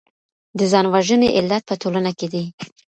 د ځان وژنې علت په ټولنه کي دی.